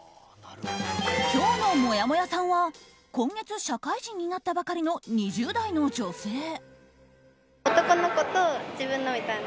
今日のもやもやさんは今月、社会人になったばかりの２０代の女性。